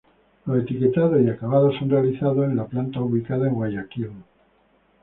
Los etiquetados y acabados son realizados en la planta ubicada en Guayaquil.